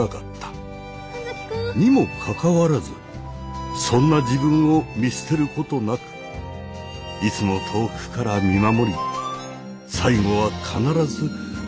にもかかわらずそんな自分を見捨てることなくいつも遠くから見守り最後は必ずこうして助けてくれる。